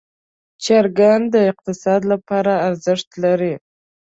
چرګان د اقتصاد لپاره ارزښت لري.